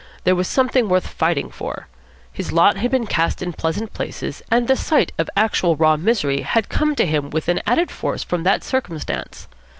There was something worth fighting for. His lot had been cast in pleasant places, and the sight of actual raw misery had come home to him with an added force from that circumstance.